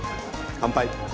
乾杯！